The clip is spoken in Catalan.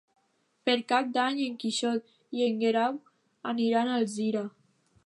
Per Cap d'Any en Quixot i en Guerau aniran a Alzira.